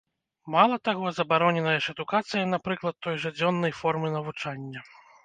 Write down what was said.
Мала таго, забароненая ж адукацыя, напрыклад, той жа дзённай формы навучання.